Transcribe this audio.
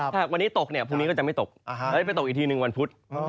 ถ้าวันนี้ตกเนี่ยพรุ่งนี้ก็จะไม่ตกแล้วไปตกอีกทีหนึ่งวันพุธ